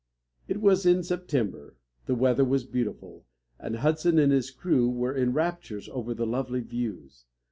It was in September, the weather was beautiful, and Hudson and his crew were in raptures over the lovely views.